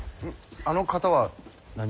あの方は何を？